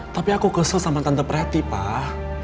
tapi aku kesel sama tante pak